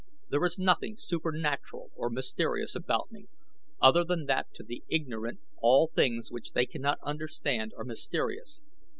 There is nothing supernatural or mysterious about me, other than that to the ignorant all things which they cannot understand are mysterious.